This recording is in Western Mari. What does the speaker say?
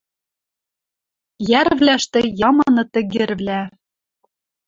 Йӓрвлӓштӹ ямыныт тӹгӹрвлӓ